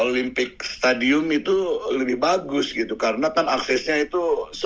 lima titik tapi kami merasa keberatan ini ya pak